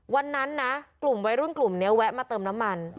วันนั้นนะกลุ่มวัยรุ่นกลุ่มนี้แวะมาเติมน้ำมัน